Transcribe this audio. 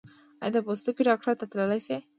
ایا د پوستکي ډاکټر ته تللي یاست؟